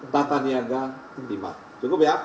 tata niaga lima cukup ya